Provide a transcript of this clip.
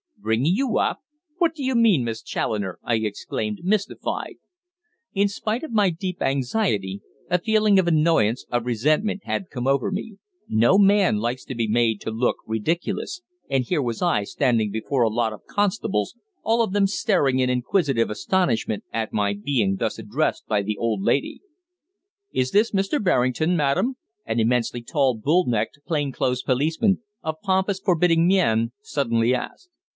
"Bringing you up? What do you mean, Miss Challoner?" I exclaimed, mystified. In spite of my deep anxiety, a feeling of annoyance, of resentment, had come over me. No man likes to be made to look ridiculous, and here was I standing before a lot of constables, all of them staring in inquisitive astonishment at my being thus addressed by the old lady. "Is this Mr. Berrington, madam?" an immensely tall, bull necked, plain clothes policeman, of pompous, forbidding mien, suddenly asked.